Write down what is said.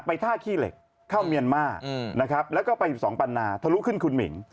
ท่าขี้เหล็กเข้าเมียนมานะครับแล้วก็ไป๑๒ปันนาทะลุขึ้นคุณหมิ่ง